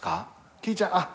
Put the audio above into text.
きいちゃんあっ。